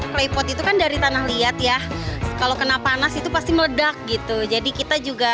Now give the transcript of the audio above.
klepot itu kan dari tanah liat ya kalau kena panas itu pasti meledak gitu jadi kita juga